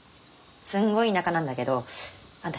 すんごい田舎なんだけどあんた